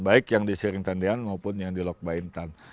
baik yang di sharing tendean maupun yang di lok baintan